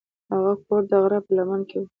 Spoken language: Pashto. هغه کور د غره په لمن کې و.